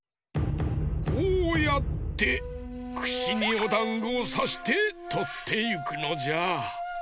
こうやってくしにおだんごをさしてとっていくのじゃ。